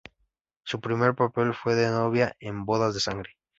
Su primer papel fue de novia en "Bodas de Sangre".